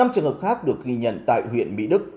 năm trường hợp khác được ghi nhận tại huyện mỹ đức